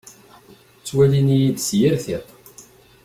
Ttwalin-iyi-d s yir tiṭ.